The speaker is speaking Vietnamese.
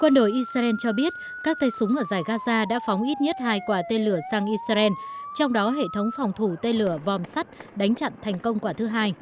quân đội israel cho biết các tay súng ở giải gaza đã phóng ít nhất hai quả tên lửa sang israel trong đó hệ thống phòng thủ tên lửa vòm sắt đánh chặn thành công quả thứ hai